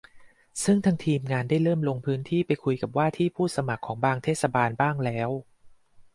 ซึ่งทีมงานได้เริ่มลงพื้นที่ไปคุยกับว่าที่ผู้สมัครของบางเทศบาลบ้างแล้ว